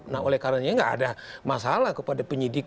nah oleh karena ini tidak ada masalah kepada penyidik